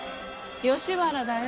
吉原だよ。